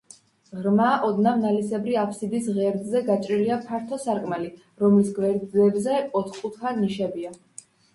ღრმა, ოდნავ ნალისებრი აფსიდის ღერძზე გაჭრილია ფართო სარკმელი, რომლის გვერდებზე ოთხკუთხა ნიშებია.